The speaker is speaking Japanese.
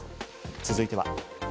続いては。